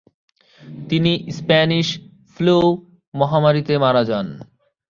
তিনি Spanish flu মহামারীতে মারা যান।